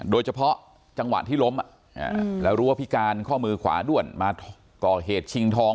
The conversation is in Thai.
โดยเฉพาะจังหวะที่ล้มแล้วรู้ว่าพิการข้อมือขวาด้วนมาก่อเหตุชิงทอง